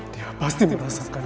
dia pasti merasakan